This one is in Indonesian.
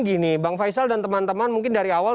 gini bang faisal dan teman teman mungkin dari awal